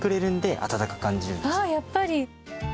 あやっぱり。